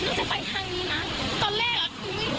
น่าจะไปทางนี้นะตอนแรกคือไม่ค่อย